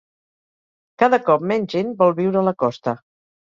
Cada cop menys gent vol viure a la costa.